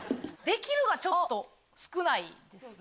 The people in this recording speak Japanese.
「できる」がちょっと少ないです。